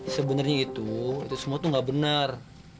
sebenarnya itu itu semua tuh gak benar